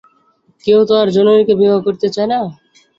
কেহ তো আর জননীকে বিবাহ করিতে চায় না।